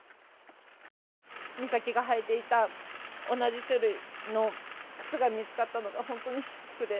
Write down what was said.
美咲が履いていた同じ種類の靴が見つかったのが本当にショックで。